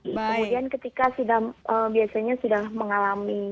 kemudian ketika biasanya sudah mengalami